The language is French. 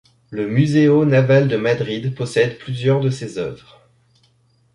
Le Museo Naval de Madrid possède plusieurs de ses œuvres.